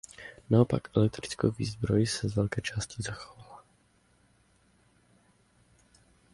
Naopak elektrickou výzbroj se z velké části zachovala.